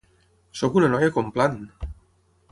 Soc una noia Complan!